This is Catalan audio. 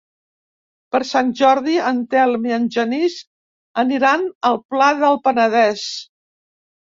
Per Sant Jordi en Telm i en Genís aniran al Pla del Penedès.